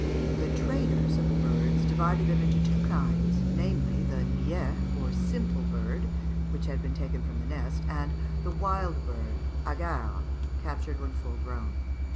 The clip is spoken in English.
] The trainers of birds divided them into two kinds, namely, the niais or simple bird, which had been taken from the nest, and the wild bird (hagard) captured when full grown.